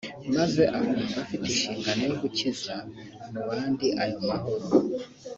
maze akumva afite inshingano yo gukwiza mu bandi ayo mahoro